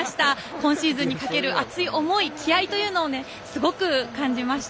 今シーズンにかける熱い思い、気合いというのをすごく感じました。